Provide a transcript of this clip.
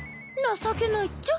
情けないっちゃ。